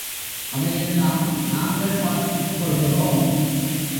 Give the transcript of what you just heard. அதையெல்லாம் நாங்கள் பார்த்துக்கொள்கிறோம்.